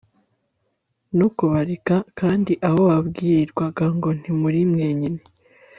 no kubarika kandi aho babwirirwaga ngo Ntimurimwenyine